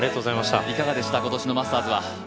いかがでした、今年のマスターズは？